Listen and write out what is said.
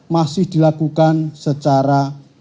masih dilakukan secara